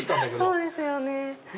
そうですよね。